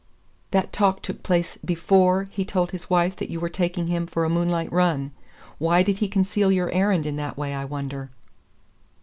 "That talk took place before he told his wife that you were taking him for a moonlight run. Why did he conceal your errand in that way, I wonder."